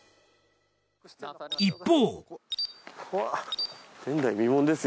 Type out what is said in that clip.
一方。